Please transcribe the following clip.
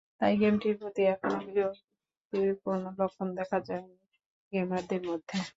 তাই গেমটির প্রতি এখনো বিরক্তির কোনো লক্ষণ দেখা যায়নি গেমারদের মধ্যে।